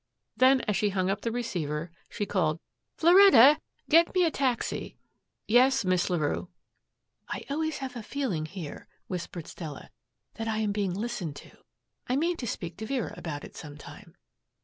'" Then as she hung up the receiver she called, "Floretta, get me a taxi." "Yes, Miss Larue." "I always have a feeling here," whispered Stella, "that I am being listened to. I mean to speak to Vera about it some time.